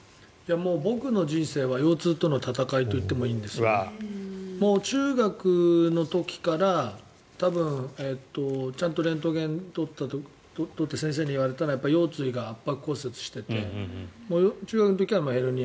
僕の人生は腰痛との闘いといっても過言ではないんですがもう中学の時から多分、ちゃんとレントゲンを撮って先生に言われたのが腰椎が圧迫骨折していて中学の時からヘルニア。